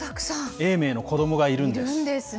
永明の子どもがいるんです。